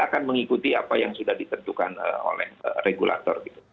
kita akan mengikuti apa yang sudah diterjukan oleh regulator